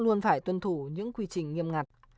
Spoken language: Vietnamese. luôn phải tuân thủ những quy trình nghiêm ngặt